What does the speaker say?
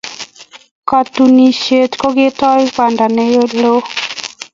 Katunisyet ko ketoi banda ne lo.